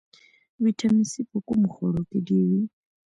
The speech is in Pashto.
ویټامین سي په کومو خوړو کې ډیر وي